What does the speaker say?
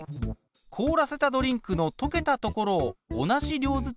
凍らせたドリンクのとけたところを同じ量ずつ採取。